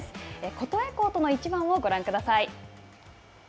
琴恵光との一番をご覧ください。